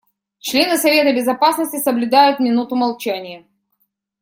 Члены Совета Безопасности соблюдают минуту молчания.